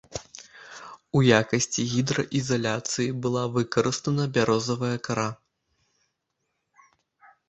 У якасці гідраізаляцыі была выкарыстана бярозавая кара.